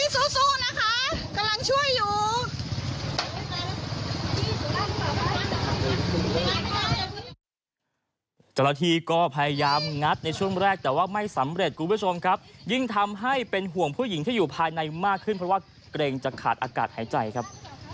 เจ้าหน้าที่ก็พยายามงัดในช่วงแรกแต่ว่าไม่สำเร็จคุณผู้ชมครับยิ่งทำให้เป็นห่วงผู้หญิงที่อยู่ภายในมากขึ้นเพราะว่าเกรงจะขาดอากาศหายใจครับ